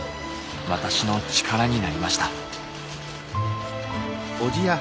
私の力になりました。